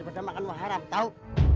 udah makan waharam tau